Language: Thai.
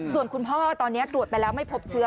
ส่วนคุณพ่อตอนนี้ตรวจไปแล้วไม่พบเชื้อ